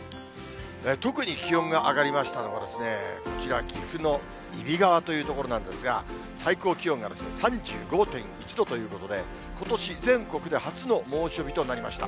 特に気温が上がりましたのが、こちら、岐阜の揖斐川という所なんですが、最高気温が３５．１度ということで、ことし全国で初の猛暑日となりました。